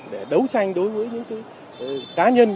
để đấu tranh đối với những cá nhân